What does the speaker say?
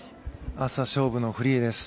明日は勝負のフリーです。